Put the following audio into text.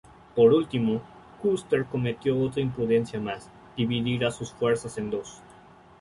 Por último, Custer cometió otra imprudencia más: dividir a sus fuerzas en dos.